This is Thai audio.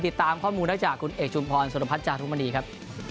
ติดตามข้อมูลได้จากคุณเอกชุมพรสุรพัฒนจารุมณีครับ